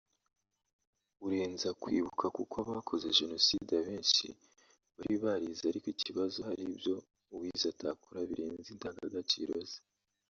urenza kwibuka kuko abakoze Jenoside abenshi bari barize ariko ikibazo hari ibyo uwize atakora birenze indangagaciro ze